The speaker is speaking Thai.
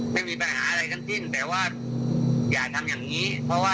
ไม่มีปัญหาอะไรทั้งสิ้นแต่ว่าอย่าทำอย่างนี้เพราะว่า